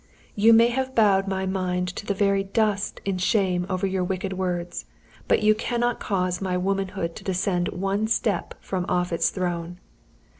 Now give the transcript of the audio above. You may have bowed my mind to the very dust in shame over your wicked words, but you cannot cause my womanhood to descend one step from off its throne.